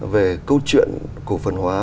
về câu chuyện cổ phân hóa